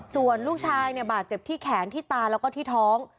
ส่วนลูกชายเนี่ยบาดเจ็บที่แขนที่ตาแล้วก็ที่ท้อง